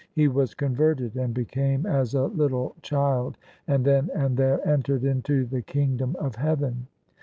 He was converted and became as a little child, and then and there entered into the Kingdom of Heaven.